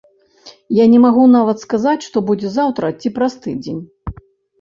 Я не магу нават сказаць, што будзе заўтра ці праз тыдзень.